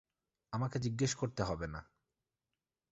আমাকে জিজ্ঞেস করতে হবে না।